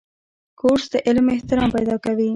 کورس د علم احترام پیدا کوي.